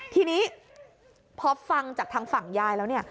ทีนี้พอฟังจากทางฝั่งยายแล้วเนี่ย